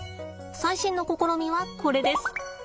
最新の試みはこれです。